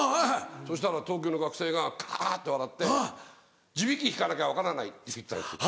そしたら東京の学生がカハハっと笑って「字引引かなきゃ分からない」って言った。